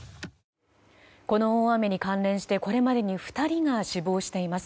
この大雨に関連してこれまでに２人が死亡しています。